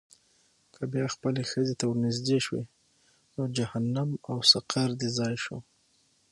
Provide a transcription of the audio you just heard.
که بیا خپلې ښځې ته ورنېږدې شوې، نو جهنم او سقر دې ځای شو.